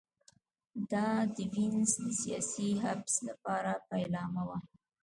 دا د وینز د سیاسي حبس لپاره پیلامه وه